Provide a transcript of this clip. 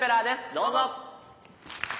どうぞ。